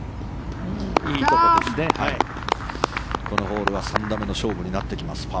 このホールは３打目の勝負になってきます。